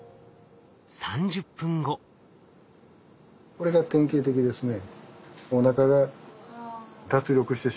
これが典型的ですね。